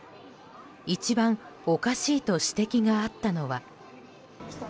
一番おかしいと指摘があったのは。